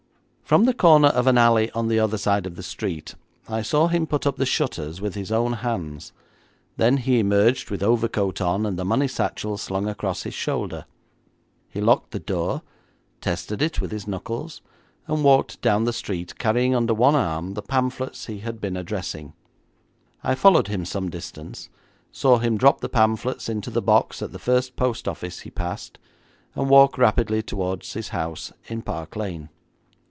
From the corner of an alley on the other side of the street I saw him put up the shutters with his own hands, then he emerged with overcoat on, and the money satchel slung across his shoulder. He locked the door, tested it with his knuckles, and walked down the street, carrying under one arm the pamphlets he had been addressing. I followed him some distance, saw him drop the pamphlets into the box at the first post office he passed, and walk rapidly towards his house in Park Lane.